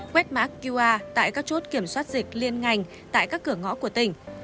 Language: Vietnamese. quét mã qr tại các chốt kiểm soát dịch liên ngành tại các cửa ngõ của tỉnh